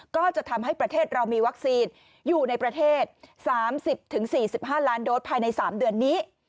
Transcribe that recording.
ก็จะทำให้ประเทศเรามีวัคซีนอยู่ในประเทศ๓๐๔๕ล้านโดสภายใน๓เดือนนี้